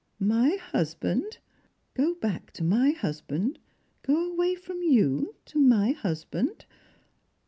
My husband ! Go back to my husband, go away from you to my husband